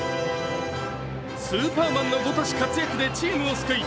スーパーマンのごとし活躍でチームを救い